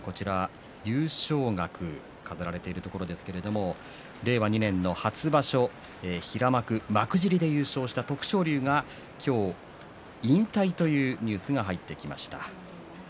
飾られている優勝額ですが令和２年の初場所平幕幕尻で優勝した徳勝龍が今日、引退というニュースが入ってきました。